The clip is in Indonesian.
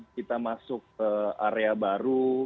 kita masuk ke area baru